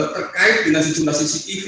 terkait dengan sejumlah cctv